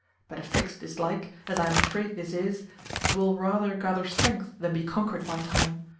But a fixed dislike, as I am afraid this is, will rather gather strength than be conquered by time.